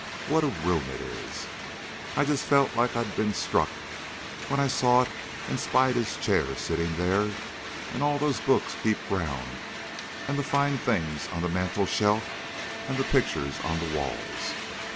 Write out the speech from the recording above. What a room it is! I just felt like I'd been struck when I saw it and spied his chair setting there and all those books heaped around and the fine things on the mantel shelf and the pictures on the walls.